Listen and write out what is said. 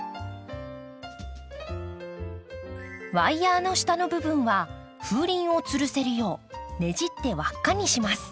ワイヤーの下の部分は風鈴をつるせるようねじって輪っかにします。